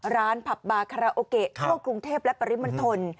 ร้านผับบาคาราโอเกะครับโลกกรุงเทพและปริมันทน